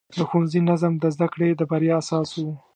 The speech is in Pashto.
د ښوونځي نظم د زده کړې د بریا اساس و.